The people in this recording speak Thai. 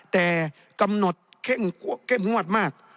แต่กำหนดเข้มงวดมาก